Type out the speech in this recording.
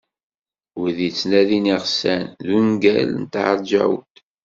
"Wid yettnadin iɣsan" d ungal n Ṭaher Ǧaɛut.